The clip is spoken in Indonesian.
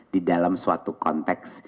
di dalam suatu konteks